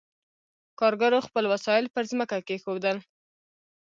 کارګرو خپل وسایل پر ځمکه کېښودل.